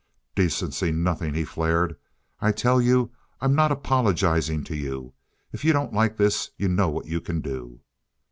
"Decency nothing," he flared. "I tell you I'm not apologizing to you. If you don't like this you know what you can do."